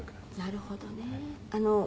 なるほどね。